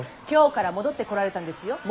京から戻ってこられたんですよ。